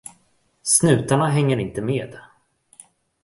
Snutarna hänger inte med.